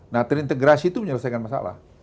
nah terintegrasi itu menyelesaikan masalah